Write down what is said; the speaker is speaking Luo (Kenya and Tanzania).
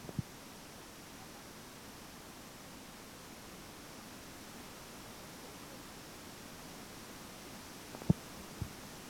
Obila mane ochiel jowadgi gi bundeno bende owito ngimane bang' chielore gi magina.